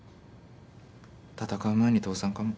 戦う前に倒産かも。